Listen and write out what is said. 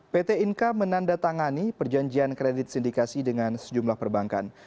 pt inka menandatangani perjanjian kredit sindikasi dengan sejumlah perbankan